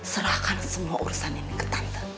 serahkan semua urusan ini ke tante